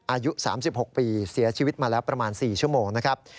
อายุ๓๖ปีเสียชีวิตมาแล้วประมาณ๔ชั่วโมงนะครับ